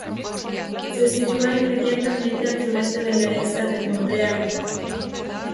Se sitúa inmediatamente al sureste de la isla de Montreal.